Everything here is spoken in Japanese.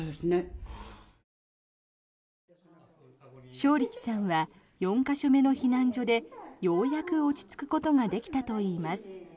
勝力さんは４か所目の避難所でようやく落ち着くことができたといいます。